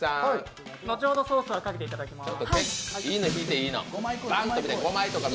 後ほどソースはかけていただきます。